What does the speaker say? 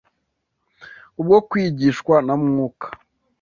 Kubwo kwigishwa na Mwuka